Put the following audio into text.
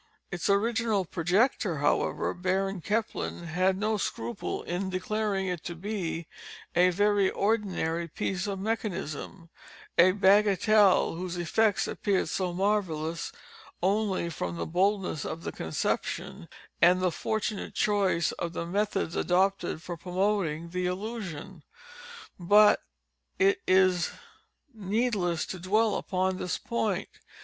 Its original projector, however, Baron Kempelen, had no scruple in declaring it to be a "very ordinary piece of mechanism—a _bagatelle _whose effects appeared so marvellous only from the boldness of the conception, and the fortunate choice of the methods adopted for promoting the illusion." But it is needless to dwell upon this point.